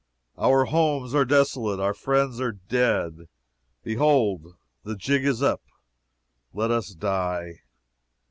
Our homes are desolate, our friends are dead. Behold, the jig is up let us die.